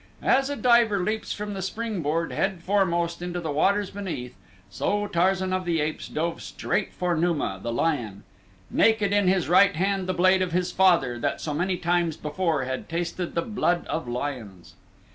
As a diver leaps from the springboard headforemost into the waters beneath, so Tarzan of the Apes dove straight for Numa, the lion; naked in his right hand the blade of his father that so many times before had tasted the blood of lions.